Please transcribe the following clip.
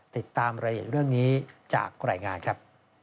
ติดตามรายละเอียดเรื่องนี้จากรายงานครับ